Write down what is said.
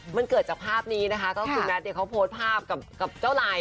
มันเกิดจากภาพนี้นะคะเพราะสินะเดี๋ยวเขาโพสต์ภาพกับเจ้าไหล